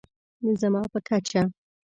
زما په کچه